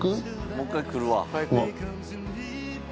もう一回来るわ。